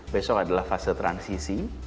besok adalah fase transisi